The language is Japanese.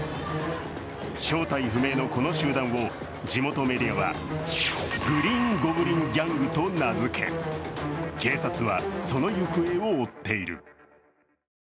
正体不明のこの集団を、地元メディアはグリーン・ゴブリン・ギャングと名づけ、警察はその行方を追っている。